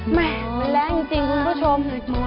แล้วจริงจริงคุณผู้ชม